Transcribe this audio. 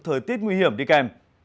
thời tiết nguy hiểm đi kèm